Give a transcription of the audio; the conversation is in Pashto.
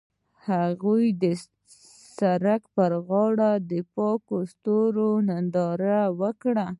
هغوی د سړک پر غاړه د پاک ستوري ننداره وکړه.